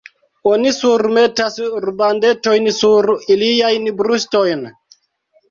Oni surmetas rubandetojn sur iliajn brustojn?